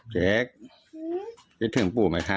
เจ๊คิดถึงปู่ไหมคะ